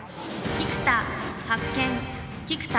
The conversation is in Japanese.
菊田発見。